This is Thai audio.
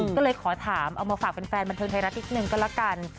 ก็เลยขอถามเอามาฝากแฟนบันเทิงไทยรัฐนิดนึงก็ละกัน